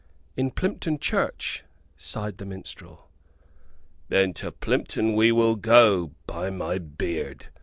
"In Plympton church," sighed the minstrel. "Then to Plympton we will go, by my beard!"